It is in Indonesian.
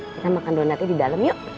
kita makan donatnya di dalam yuk